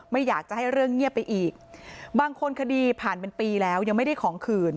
ไม่อยากจะให้เรื่องเงียบไปอีกบางคนคดีผ่านเป็นปีแล้วยังไม่ได้ของคืน